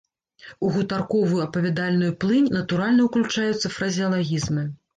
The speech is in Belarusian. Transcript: У гутарковую апавядальную плынь натуральна ўключаюцца фразеалагізмы.